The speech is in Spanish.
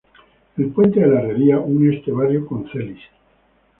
El Puente de la Herrería une este barrio con Celis.